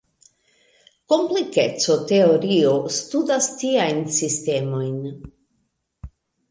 Komplikeco-teorio studas tiajn sistemojn.